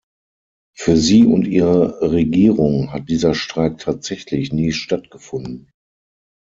Für Sie und Ihre Regierung hat dieser Streik tatsächlich nie stattgefunden.